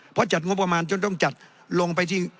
เพราะจัดงบประมาณจนต้องจัดลงไปที่